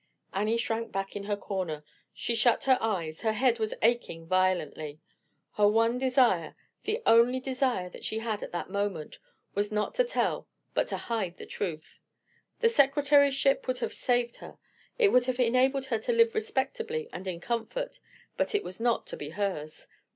Annie shrank back in her corner. She shut her eyes: her head was aching violently. Her one desire—the only desire that she had at that moment—was not to tell but to hide the truth. The secretaryship would have saved her—it would have enabled her to live respectably and in comfort; but it was not to be hers.